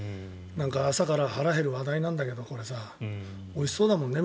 朝から腹が減る話題なんだけどおいしそうだもんね。